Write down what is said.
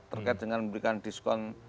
terkait dengan memberikan diskon